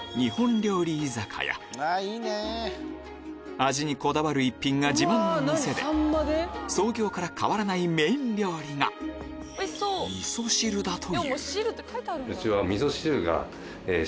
味にこだわる一品が自慢の店で創業から変わらないメイン料理がうちは。